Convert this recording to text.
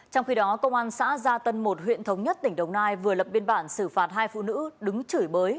trong khi đó công an xã gia tân một huyện thống nhất tỉnh đồng nai vừa lập biên bản xử phạt hai phụ nữ đứng chửi bới